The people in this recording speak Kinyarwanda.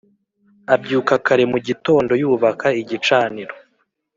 Abyuka kare mu gitondo yubaka igicaniro